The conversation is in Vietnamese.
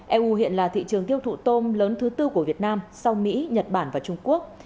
eu hiện là thị trường tiêu thụ tôm lớn thứ tư của việt nam sau mỹ nhật bản và trung quốc